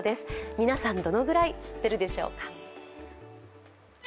皆さん、どのぐらい知ってるでしょうか。